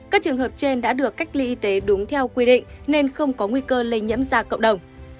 các trường hợp trên đã được cách ly y tế đúng theo quy định nên không có nguy cơ lây nhiễm ra cộng đồng